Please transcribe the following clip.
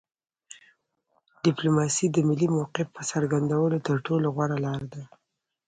ډیپلوماسي د ملي موقف د څرګندولو تر ټولو غوره لار ده